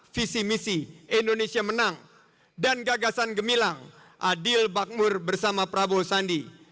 visi misi indonesia menang dan gagasan gemilang adil bakmur bersama prabowo sandi